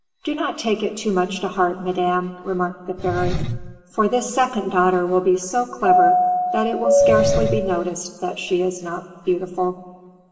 "Do not take it too much to heart, madam," remarked the fairy, "for this second daughter will be so clever that it will scarcely be noticed that she is not beautiful."